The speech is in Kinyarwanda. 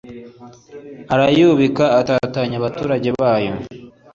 arayubika atatanya abaturage bayo